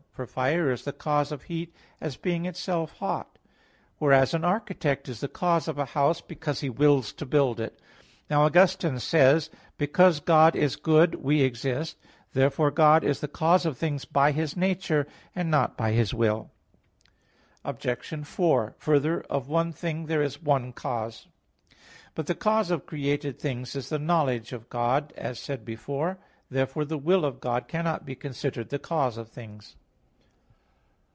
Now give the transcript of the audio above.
For fire is the cause of heat, as being itself hot; whereas an architect is the cause of a house, because he wills to build it. Now Augustine says (De Doctr. Christ. i, 32), "Because God is good, we exist." Therefore God is the cause of things by His nature, and not by His will. Obj. 4: Further, Of one thing there is one cause. But the [cause of] created things is the knowledge of God, as said before (Q. 14, A. 8). Therefore the will of God cannot be considered the cause of things.